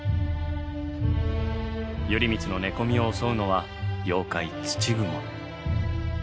頼光の寝込みを襲うのは妖怪土蜘蛛。